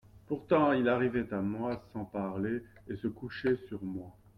Pourtant, il arrivait à moi sans parler et se couchait sur moi.